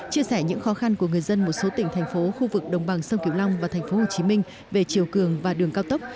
chia sẻ những khó khăn của người dân một số tỉnh thành phố khu vực đồng bằng sông kiểu long và thành phố hồ chí minh về chiều cường và đường cao tốc